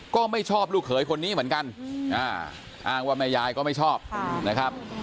ก็ไม่ชอบลูกเขยคนนี้เหมือนกันอ้างว่าแม่ยายก็ไม่ชอบนะครับ